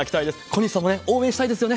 小西さんもね、応援したいですよ